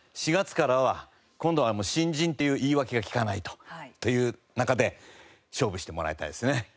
４月からは今度はもう新人っていう言い訳が利かないという中で勝負してもらいたいですね。